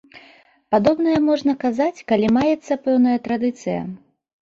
Падобнае можна казаць, калі маецца пэўная традыцыя.